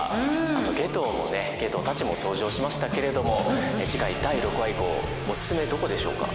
あと夏油もね夏油たちも登場しましたけれども次回第６話以降おすすめどこでしょうか？